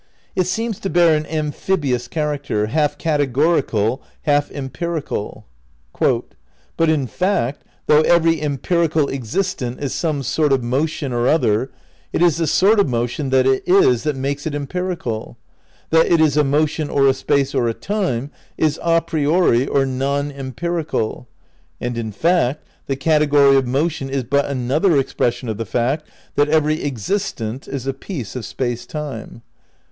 It seems to bear an amphibious character, half categorial, half empirical. "But in fact, though every empirical existent is some sort of motion or other, it is the sort of motion that it is that makes it empirical. ... That it is a motion or a space or a time is a priori or non empirical; and in fact the category of motion is but an other expression of the fact that every existent is a piece of Space Time."